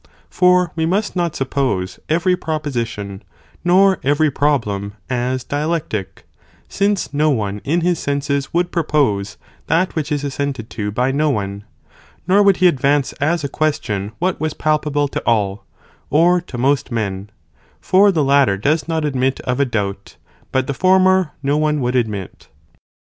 for we must not suppose every proposition nor every problem as dialectic, since no one in his senses would propose that which is assented to by no one, nor would he ad vance as a question what was palpable to all, or to most men, for the latter does not admit of a doubt, but the former no one would admit.